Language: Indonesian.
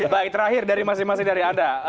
baik terakhir dari masing masing dari anda